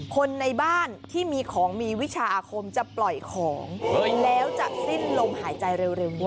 คนในบ้านที่มีของมีวิชาอาคมจะปล่อยของแล้วจะสิ้นลมหายใจเร็วด้วย